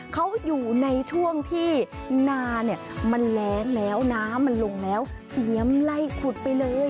เขาอยู่ในช่วงที่นาเนี่ยมันแรงแล้วน้ำมันลงแล้วเสียมไล่ขุดไปเลย